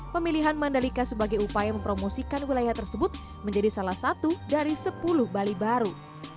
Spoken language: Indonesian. pemilihan mandalika sebagai upaya mempromosikan wilayah tersebut menjadi salah satu dari sepuluh bali baru